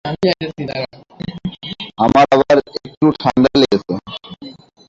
আমার আবার একটু ঠাণ্ডা লেগেছে।